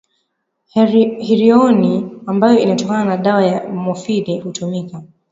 Heroini ambayo inatokana na dawa ya mofini hutumika